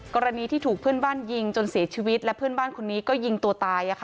กรณีที่ถูกเพื่อนบ้านยิงจนเสียชีวิตและเพื่อนบ้านคนนี้ก็ยิงตัวตาย